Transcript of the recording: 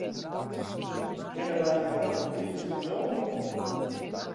Kinne wy hjir oant tiisdei bliuwe?